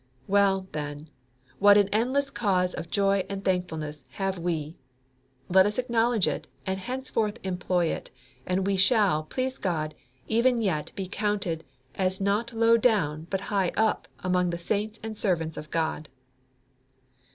Well, then, what an endless cause of joy and thankfulness have we! Let us acknowledge it, and henceforth employ it; and we shall, please God, even yet be counted as not low down but high up among the saints and the servants of God.